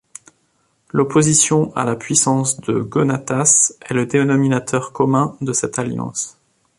L'opposition à la puissance de Gonatas est le dénominateur commun de cette alliance.